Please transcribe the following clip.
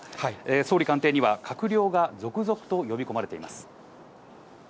総理官邸には、閣僚が続々と呼び込まれています。